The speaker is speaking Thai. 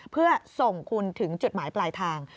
เพื่อส่งคุณถึงจุดหมายปลายทาง